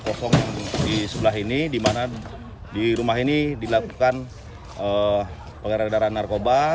di satu rumah kosong di sebelah ini di rumah ini dilakukan penggeredaran narkoba